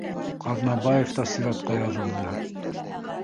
Ҡаҙнабаев та сиратҡа яҙылды